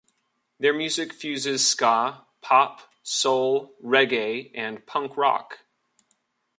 Their music fuses ska, pop, soul, reggae and punk rock.